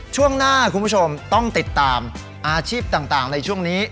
ช่วงหน้าคุณผู้ชมต้องติดตามอาชีพต่างในช่วงนี้